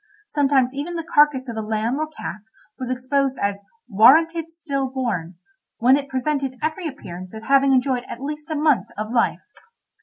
Sometimes even the carcase of a lamb or calf was exposed as "warranted still born," when it presented every appearance of having enjoyed at least a month of life.